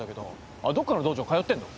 あっどっかの道場通ってんの？